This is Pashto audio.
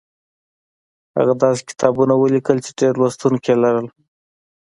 هغه داسې کتابونه ولیکل چې ډېر لوستونکي یې لرل